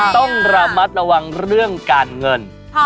ต้องระมัดระวังเรื่องการเงิน